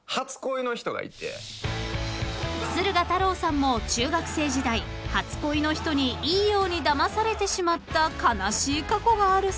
［駿河太郎さんも中学生時代初恋の人にいいようにだまされてしまった悲しい過去があるそうで］